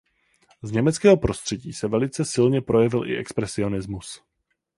Z německého prostředí se velice silně projevil i expresionismus.